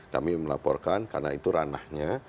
kami melaporkan karena itu ranahnya